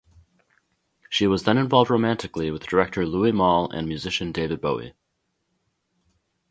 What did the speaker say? She was then involved romantically with director Louis Malle and musician David Bowie.